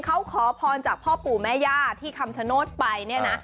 เขาขอพรจากพ่อปู่แม่ย่าที่คำชโนธไปเนี่ยนะ